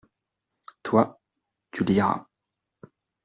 Toi, tu liras.